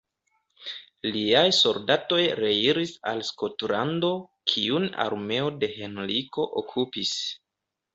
Liaj soldatoj reiris al Skotlando, kiun armeo de Henriko okupis.